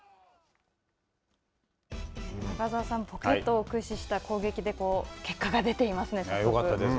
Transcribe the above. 中澤さん、ポケットを駆使した攻撃で結果が出ていますね。